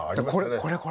これこれ。